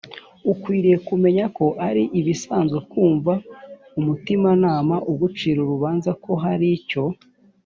ukwiriye kumenya ko ari ibisanzwe kumva umutimanama ugucira urubanza ko hari icyo